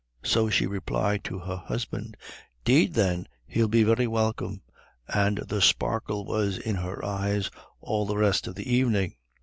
So she replied to her husband: "'Deed then, he'll be very welcome," and the sparkle was in her eyes all the rest of the evening.